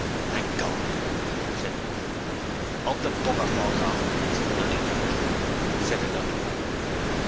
'Thank Gord!' said one. 'Hope the b r falls orf and breaks 'is bloody neck,' said another.